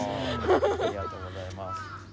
ありがとうございます。